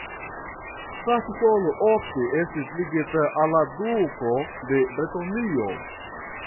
La titolo ofte estis ligita al la duko de Bretonio.